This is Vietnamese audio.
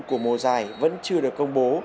của mùa giải vẫn chưa được công bố